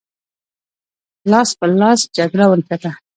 لاس په لاس جګړه ونښته.